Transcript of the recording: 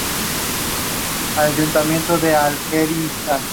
Fue filmado en Almería, España.